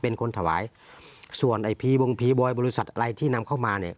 เป็นคนถวายส่วนไอ้พีวงพีบอยบริษัทอะไรที่นำเข้ามาเนี่ย